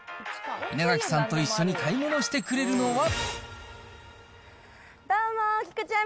稲垣さんと一緒に買い物してくれるのは。